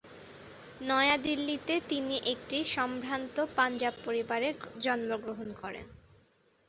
নয়া দিল্লিতে তিনি একটি সম্ভ্রান্ত পাঞ্জাব পরিবারে জন্মগ্রহণ করেন।